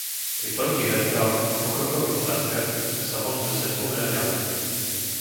Pri toľkých radikálnych a pokrokových otázkach sme sa mohli dostať oveľa ďalej.